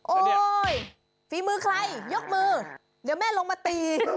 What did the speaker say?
โอ๊ยฝีมือใครยกมือเดี๋ยวแม่ลงมาตี